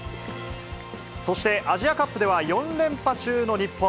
そして、アジアカップでは４連覇中の日本。